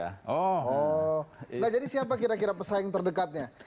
nah jadi siapa kira kira pesaing terdekatnya